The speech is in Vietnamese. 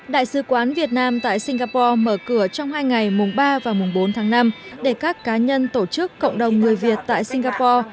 đại sứ quán việt nam tại singapore mở cửa trong hai ngày mùng ba và mùng bốn tháng năm để các cá nhân tổ chức cộng đồng người việt tại singapore